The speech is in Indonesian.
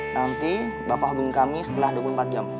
nanti bapak hubungi kami setelah dua puluh empat jam